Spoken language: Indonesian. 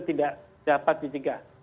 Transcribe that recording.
tidak dapat ditegak